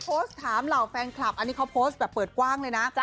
โพสต์ถามเหล่าแฟนคลับอันนี้เขาโพสต์แบบเปิดกว้างเลยนะ